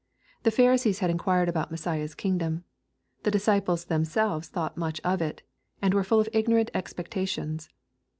The Pharisees hdd inquired about Messiah's kingdom The disciples themselves thought much of it, and were full of igno rant expectations.